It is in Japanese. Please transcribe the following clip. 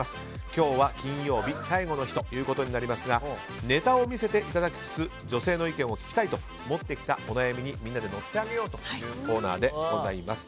今日は金曜日最後の日となりますがネタを見せていただきつつ女性の意見を聞きたいと持ってきたお悩みにみんなで乗ってあげようというコーナーでございます。